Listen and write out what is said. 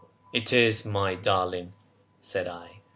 "It is, my darling," said I.